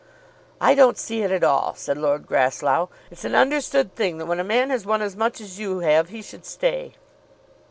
"I don't see it at all," said Lord Grasslough. "It's an understood thing that when a man has won as much as you have he should stay."